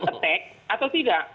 attack atau tidak